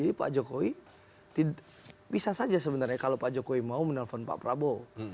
jadi pak jokowi bisa saja sebenarnya kalau pak jokowi mau menelpon pak prabowo